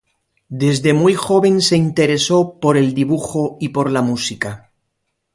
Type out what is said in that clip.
Desde muy joven se interesó por el dibujo y por la música.